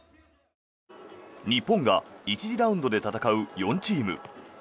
日本が１次ラウンドで戦う４チーム。